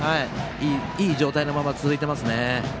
いい状態のまま続いていますね。